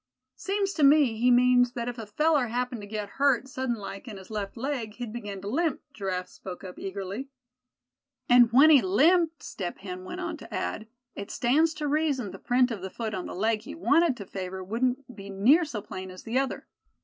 "Seems to me he means that if a feller happened to get hurt, sudden like, in his left leg, he'd begin to limp," Giraffe spoke up, eagerly. "And when he limped," Step Hen went on to add, "it stands to reason the print of the foot on the leg he wanted to favor wouldn't be near so plain as the other.